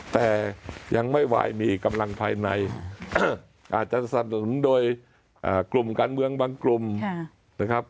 แต่ยังไม่ไหวมีกำลังภายในอาจจะสนับสนุนโดยกลุ่มการเมืองบางกลุ่มนะครับ